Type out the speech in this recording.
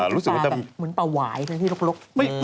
ป่าแบบเหมือนป่าหวายเนื้อที่ลก